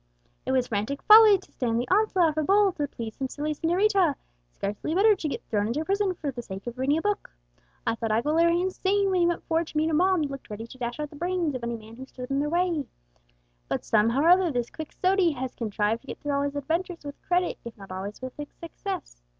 It was frantic folly to stand the onslaught of a bull to please some silly señorita; scarcely better to get thrown into prison for the sake of reading a book. I thought Aguilera insane when he went forward to meet a mob that looked ready to dash out the brains of any man who stood in their way; but somehow or other this Quixote has contrived to get through all his adventures with credit, if not always with success.